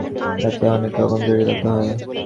এতে অনেক রকম জটিলতা হয়।